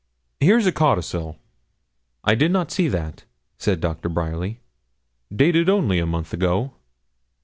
Here's a codicil.' 'I did not see that,' said Doctor Bryerly. 'Dated only a month ago.'